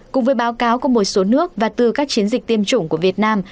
cùng với báo cáo của một số nước và từ các chiến dịch tiêm chủng của việt nam